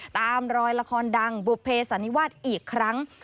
ตามรอยละครดังบุภเสันนิวาสอีกครั้ง